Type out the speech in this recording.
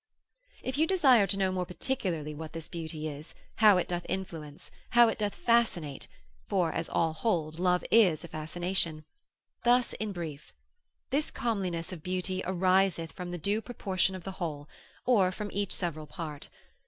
If you desire to know more particularly what this beauty is, how it doth Influere, how it doth fascinate (for, as all hold, love is a fascination), thus in brief. This comeliness or beauty ariseth from the due proportion of the whole, or from each several part.